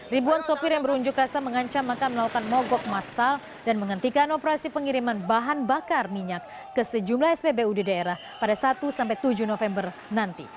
ribuan sopir yang berunjuk rasa mengancam akan melakukan mogok masal dan menghentikan operasi pengiriman bahan bakar minyak ke sejumlah spbu di daerah pada satu tujuh november nanti